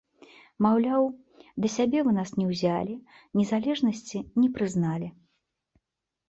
Маўляў, да сябе вы нас не ўзялі, незалежнасці не прызналі.